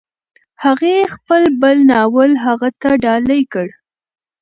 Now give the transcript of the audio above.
هغې خپل بل ناول هغه ته ډالۍ کړ.